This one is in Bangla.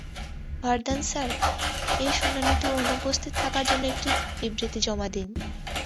ভার্দান স্যার, এই শুনানিতে অনুপস্থিত থাকার জন্য একটি বিবৃতি জমা দিন।